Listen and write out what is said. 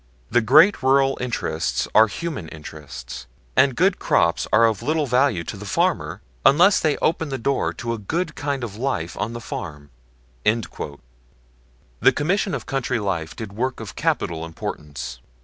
The great rural interests are human interests, and good crops are of little value to the farmer unless they open the door to a good kind of life on the farm." The Commission on Country Life did work of capital importance.